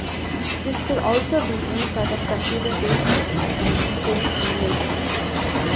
This could also be any sort of computer-based instruction, including simulations.